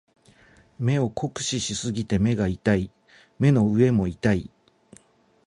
目を酷使しすぎて目が痛い。目の上も痛い。